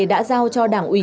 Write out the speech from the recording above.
đã giao cho đảng ủy